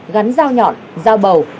gắn dao nhọn dao bầu